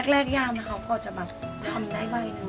ตอนแรกยามนะคะเขาก็จะแบบทำได้ใบนึง